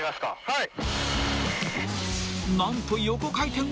はい。